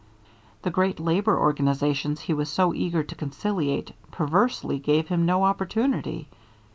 The great labor organizations he was so eager to conciliate perversely gave him no opportunity.